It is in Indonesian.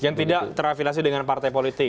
yang tidak terafilasi dengan partai politik